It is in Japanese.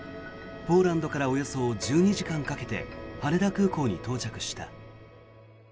ポーランドからおよそ１２時間かけて羽田空港に到着した。